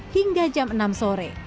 hingga jam enam sore